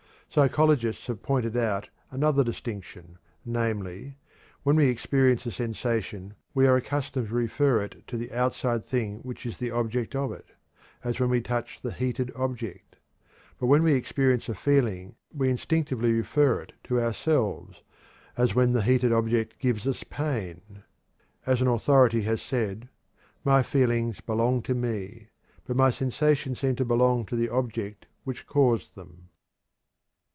Psychologists have pointed out another distinction, namely: When we experience a sensation we are accustomed to refer it to the outside thing which is the object of it, as when we touch the heated object; but when we experience a feeling we instinctively refer it to ourself, as when the heated object gives us pain. As an authority has said: "My feelings belong to me; but my sensations seem to belong to the object which caused them."